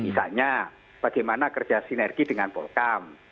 misalnya bagaimana kerja sinergi dengan polkam